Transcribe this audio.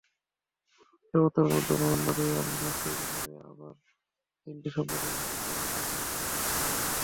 কঠোর নিরাপত্তার মধ্যেও ব্রাহ্মণবাড়িয়ার নাসিরনগরে আবার হিন্দু সম্প্রদায়ের বাড়িতে অগ্নিসংযোগের ঘটনা ঘটেছে।